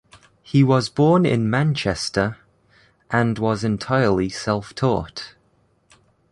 He was born in Manchester, and was entirely self-taught.